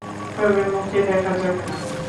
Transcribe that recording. তবে মুখে দেয়া যাবে না।